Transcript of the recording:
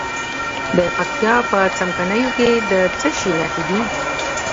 د پکتیا په څمکنیو کې د څه شي نښې دي؟